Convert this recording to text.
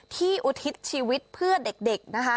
อุทิศชีวิตเพื่อเด็กนะคะ